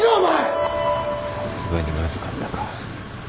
さすがにまずかったか。